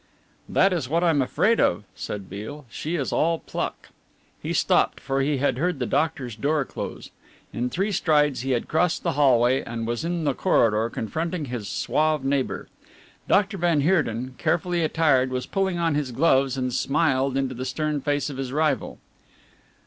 "That is what I am afraid of," said Beale, "she is all pluck " He stopped, for he had heard the doctor's door close. In three strides he had crossed the hallway and was in the corridor, confronting his suave neighbour. Dr. van Heerden, carefully attired, was pulling on his gloves and smiled into the stern face of his rival.